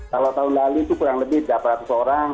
kalau tahun lalu itu kurang lebih delapan ratus orang